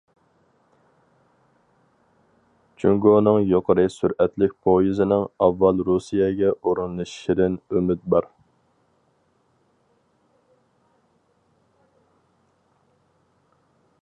جۇڭگونىڭ يۇقىرى سۈرئەتلىك پويىزىنىڭ ئاۋۋال رۇسىيەگە ئورۇنلىشىشىدىن ئۈمىد بار.